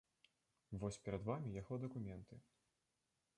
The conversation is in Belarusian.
Вось перад вамі яго дакументы.